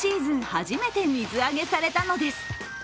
初めて水揚げされたのです。